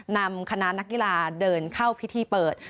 นำคณะนักกีฬาเดินเข้าพิธีเปิด